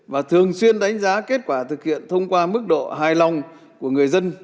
và thường xuyên đánh giá kết quả thực hiện thông qua mức độ hài lòng của người dân